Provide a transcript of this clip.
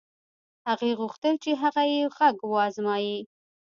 هغې غوښتل چې هغه يې غږ و ازمايي.